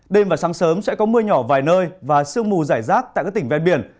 đêm và sáng sớm sẽ có mưa nhỏ vài nơi và sương mù giải rác tại các tỉnh ven biển